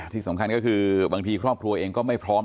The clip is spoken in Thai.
ที่สำคัญก็คือบางทีครอบครัวเองก็ไม่พร้อม